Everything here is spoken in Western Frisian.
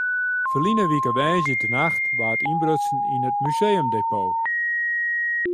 Ferline wike woansdeitenacht waard ynbrutsen yn it museumdepot.